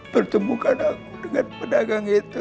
pertemukan aku dengan pedagang itu